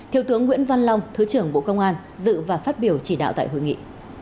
thiếu tướng nguyễn văn long thứ trưởng bộ công an dự và phát biểu chỉ đạo tại hội nghị